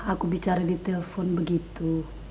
aku bicara di telpon begitu